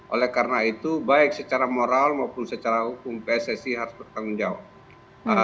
oleh karena itu baik secara moral maupun secara hukum pssi harus bertanggung jawab